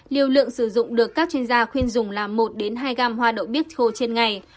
liều lượng sử dụng được các chuyên gia khuyên dùng là một hai gam hoa đậu bít thô trên ngày